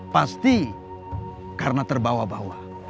pasti karena terbawa bawa